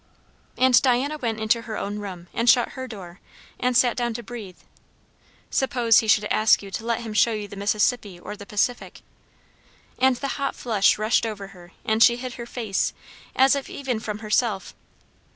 And Diana went into her own room, and shut her door, and sat down to breathe. "Suppose he should ask you to let him show you the Mississippi, or the Pacific?" And the hot flush rushed over her and she hid her face, as if even from herself.